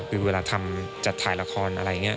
คือเวลาทำจัดถ่ายละครอะไรอย่างนี้